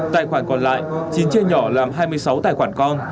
tài khoản còn lại chín chia nhỏ làm hai mươi sáu tài khoản con